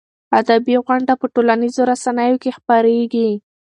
ادبي غونډې په ټولنیزو رسنیو کې خپرېږي.